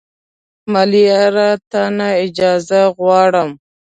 ملیاره تا نه اجازه غواړم